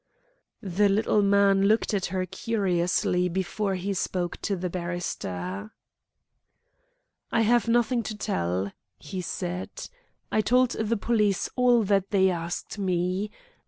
The little man looked at her curiously before he spoke to the barrister. "I have nothing to tell," he said. "I told the police all that they asked me.